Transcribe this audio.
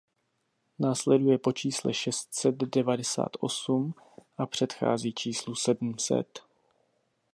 Následuje po čísle šest set devadesát osm a předchází číslu sedm set.